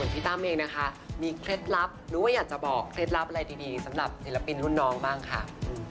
ตั้มเองนะคะมีเคล็ดลับหรือว่าอยากจะบอกเคล็ดลับอะไรดีสำหรับศิลปินรุ่นน้องบ้างค่ะ